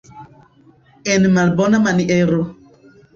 En malbona maniero.